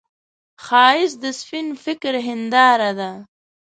ښایست د سپين فکر هنداره ده